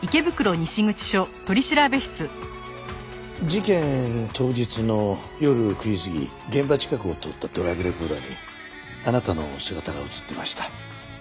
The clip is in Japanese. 事件当日の夜９時過ぎ現場近くを通ったドライブレコーダーにあなたの姿が映っていました。